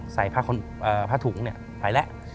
ใส่ผ้าถุงไปแล้ว